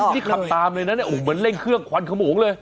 นี่ขับตามเลยนะเนี่ยเหมือนเร่งเครื่องควันขโมงเลย